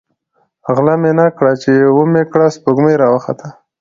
ـ غله مې نه کړه ،چې ومې کړه سپوږمۍ راوخته.